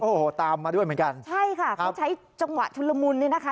โอ้โหตามมาด้วยเหมือนกันใช่ค่ะเขาใช้จังหวะชุนละมุนเนี่ยนะคะ